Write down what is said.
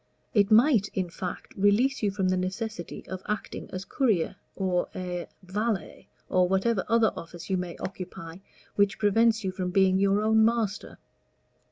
It might, in fact, release you from the necessity of acting as courier, or a valet, or whatever other office you may occupy which prevents you from being your own master.